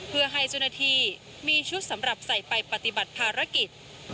เพื่อให้เจ้าหน้าที่มีชุดสำหรับใส่ไปปฏิบัติภารกิจ